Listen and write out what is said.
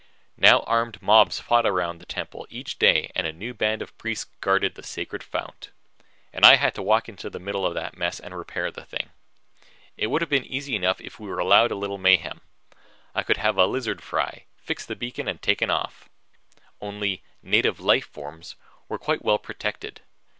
Now armed mobs fought around the temple each day and a new band of priests guarded the sacred fount. And I had to walk into the middle of that mess and repair the thing. It would have been easy enough if we were allowed a little mayhem. I could have had a lizard fry, fixed the beacon and taken off. Only "native life forms" were quite well protected.